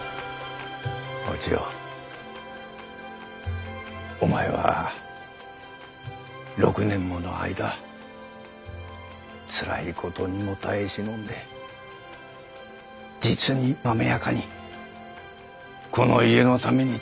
お千代お前は６年もの間つらいことにも耐え忍んで実にまめやかにこの家のために尽くしてくれた。